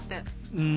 うん。